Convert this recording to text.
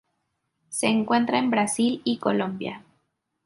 Se encuentra en Brazil y Colombia.